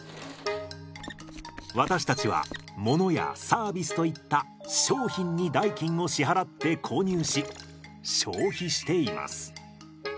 私たちはものやサービスといった商品に代金を支払って購入し消費しています。